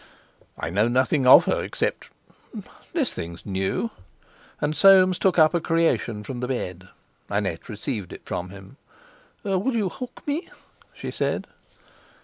"I know nothing of her except—This thing's new." And Soames took up a creation from the bed. Annette received it from him. "Would you hook me?" she said.